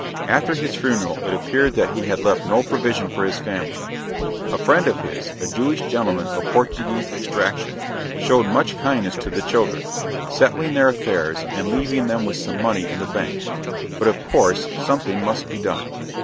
After his funeral it appeared that he had left no provision for his family. A friend of his a Jewish gentleman of Portuguese extraction showed much kindness to the children, settling their affairs and leaving them with some money in the bank; but, of course, something must be done.